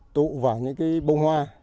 tụ vào những cái bông hoa